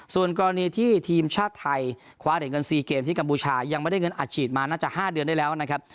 ส่วนกรณีที่ทีมชาติไทยคว้าเหรียญเงิน๔เกมที่กัมพูชายังไม่ได้เงินอัดฉีดมาน่าจะ๕เดือนได้แล้วนะครับ